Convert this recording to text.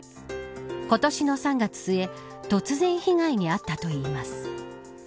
今年の３月末突然、被害に遭ったといいます。